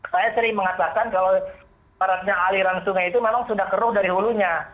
saya sering mengatakan kalau baratnya aliran sungai itu memang sudah keruh dari hulunya